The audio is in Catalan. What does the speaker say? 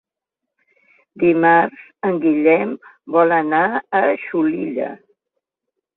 Dimarts en Guillem vol anar a Xulilla.